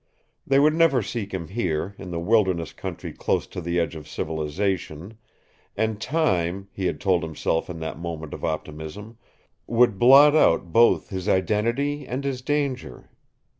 They would never seek him here, in the wilderness country close to the edge of civilization, and time, he had told himself in that moment of optimism, would blot out both his identity and his danger.